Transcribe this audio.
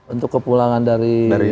untuk kepulangan dari